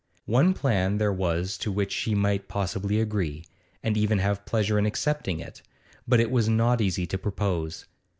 One plan there was to which she might possibly agree, and even have pleasure in accepting it, but it was not easy to propose.